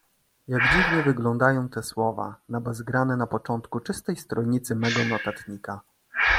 "Jak dziwnie wyglądają te słowa nabazgrane na początku czystej stronicy mego notatnika!"